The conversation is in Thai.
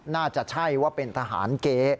น่าจะใช่ว่าเป็นทหารเก๊